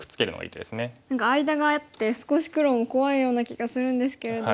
何か間があって少し黒も怖いような気がするんですけれども。